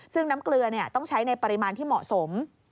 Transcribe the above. ซึ่งน้ำเกลือต้องใช้ในปริมาณที่เหมาะสม